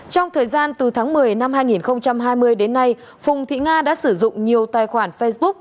trong thời gian từ tháng một mươi năm hai nghìn hai mươi đến nay phùng thị nga đã sử dụng nhiều tài khoản facebook